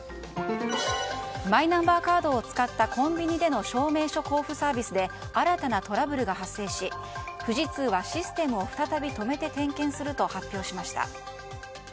マイナンバーカードを使ったコンビニでの証明書交付サービスで新たなトラブルが発生し富士通はシステムを再び止めて点検すると発表しました。